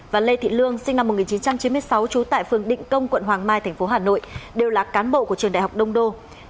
và lê thị lương sinh năm một nghìn chín trăm chín mươi sáu trú tại phường định công quận hoàng mai tp hà nội đều là cán bộ của trường đại học đông đô